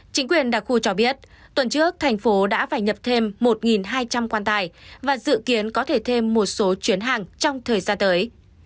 chính quyền đặc khu cho biết tuần trước thành phố đã phải nhập thêm một hai trăm linh quan tài và dự kiến có thể thêm một số chuyến hàng trong thời gian tới